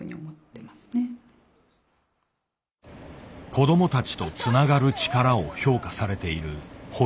「子どもたちとつながる力」を評価されている堀井。